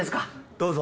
どうぞ。